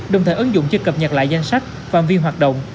đồng thời ứng dụng chưa cập nhật lại danh sách và viên hoạt động